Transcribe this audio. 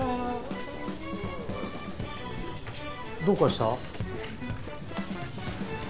どうかした？